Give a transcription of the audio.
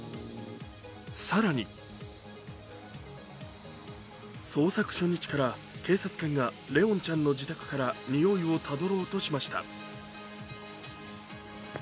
更に捜索初日から警察犬が怜音ちゃんの自宅からにおいをたどろうとしていました。